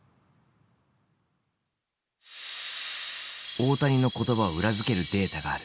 大谷の言葉を裏付けるデータがある。